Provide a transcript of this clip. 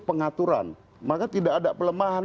pengaturan maka tidak ada pelemahan